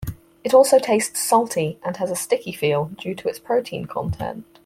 It also tastes salty, and has a "sticky" feel due its protein content.